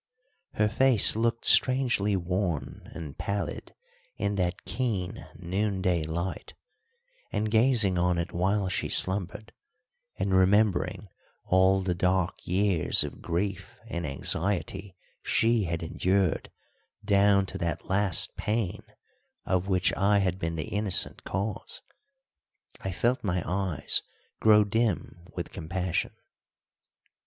Her face looked strangely worn and pallid in that keen noonday light, and, gazing on it while she slumbered, and remembering all the dark years of grief and anxiety she had endured down to that last pain of which I had been the innocent cause, I felt my eyes grow dim with compassion.